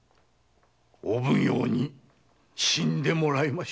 お奉行に死んでもらいましょう。